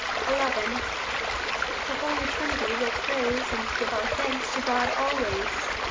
XI The Holy Trinity we'll praise, And give our thanks to God always.